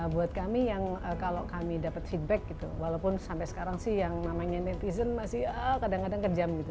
buat kami yang kalau kami dapat feedback gitu walaupun sampai sekarang sih yang namanya netizen masih kadang kadang kejam gitu